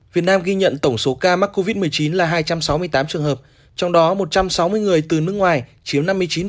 việt nam ghi nhận tổng số ca mắc covid một mươi chín là hai trăm sáu mươi tám trường hợp trong đó một trăm sáu mươi người từ nước ngoài chiếm năm mươi chín